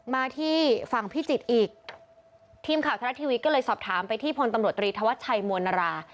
มาที่ฝั่งพิจิตรอีกทีมข่าวทะละทีวีก็เลยสอบถามไปที่พลตำรวจตรีธวัชชัยมวลนารา